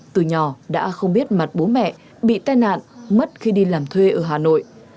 từ nhỏ đã không biết mặt bố mẹ bị tai nạn mất khi đi làm thuê ở hà nội